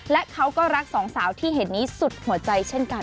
และเขาก็รักสองสาวที่เห็นนี้สุดหัวใจเช่นกัน